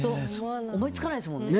思いつかないですもんね。